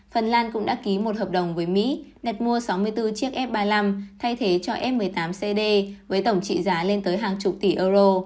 phần lan cũng đã ký một hợp đồng với mỹ đặt mua sáu mươi bốn chiếc f ba mươi năm thay thế cho f một mươi tám cd với tổng trị giá lên tới hàng chục tỷ euro